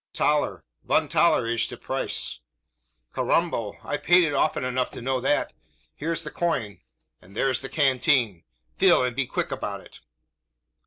"A tollar von tollar ish the price." "Carrambo! I've paid it often enough to know that. Here's the coin, and there's the canteen. Fill, and be quick about it!"